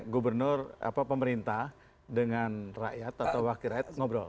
gubernur pemerintah dengan rakyat atau wakil rakyat ngobrol